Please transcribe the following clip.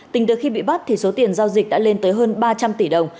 tính từ khi bị bắt số tiền giao dịch đã lên tới hơn ba trăm linh tỷ đồng